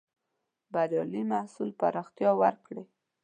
بریالي محصول پراختيا ورکړې.